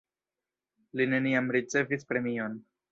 Li neniam ricevis premion.